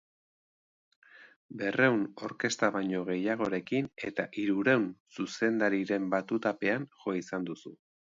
Berrehun orkestra baino gehiagorekin eta hirurehun zuzendariren batutapean jo izan duzu.